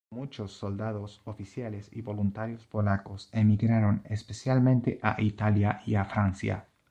Muchos soldados, oficiales y voluntarios polacos emigraron, especialmente a Italia y a Francia.